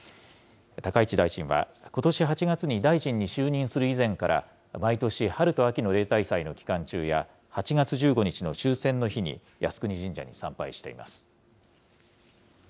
高市大臣は、ことし８月に大臣に就任する以前から、毎年春と秋の例大祭の期間中や、８月１５日の終戦の日に、靖国神社に参拝しています。